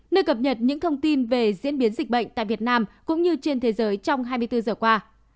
nơi cập nhật những thông tin về diễn biến dịch bệnh tại việt nam cũng như trên thế giới trong hai mươi bốn giờ qua